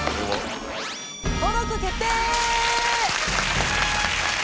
登録決定！